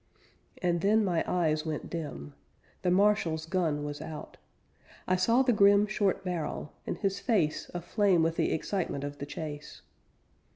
And then my eyes went dim. The Marshal's gun was out. I saw the grim Short barrel, and his face Aflame with the excitement of the chase.